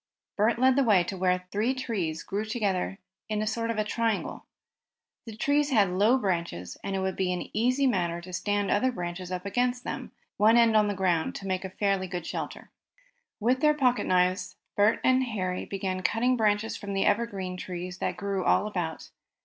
Bert led the way to where three trees grew close together in a sort of triangle. The trees had low branches and it would be an easy matter to stand other branches up against them, one end on the ground, and so make a fairly good shelter. With their pocket knives Bert and Harry began cutting branches from the evergreen trees that grew all about.